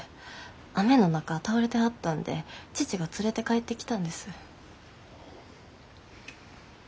雨の中倒れてはったんで父が連れて帰ってきたんです。